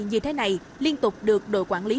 như thế này liên tục được đội quản lý